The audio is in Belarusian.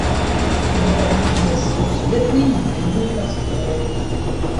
Выпадзенне з сусветнай медыйнай прасторы.